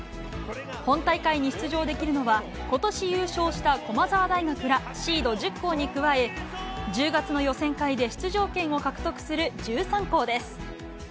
本大会に出場できるのは、ことし優勝した駒澤大学らシード１０校に加え、１０月の予選会で出場権を獲得する１３校です。